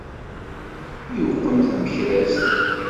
Iwqem tamekrast.